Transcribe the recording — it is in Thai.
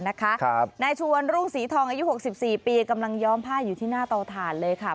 นายชวนรุ่งศรีทองอายุ๖๔ปีกำลังย้อมผ้าอยู่ที่หน้าเตาถ่านเลยค่ะ